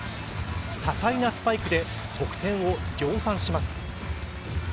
多彩なスパイクで得点を量産します。